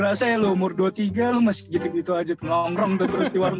dia salah satu pemain yang favorit gue lah di indonesia lah